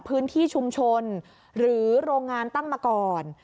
พื้นที่ชุมชนหรือโรงงานตั้งมาก่อน